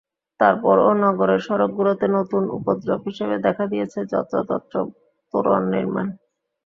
তারপরও নগরের সড়কগুলোতে নতুন উপদ্রব হিসেবে দেখা দিয়েছে যত্রতত্র তোরণ নির্মাণ।